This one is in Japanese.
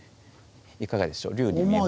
いかがでしょう龍に見えます？